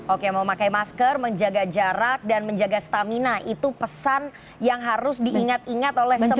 oke memakai masker menjaga jarak dan menjaga stamina itu pesan yang harus diingat ingat oleh semua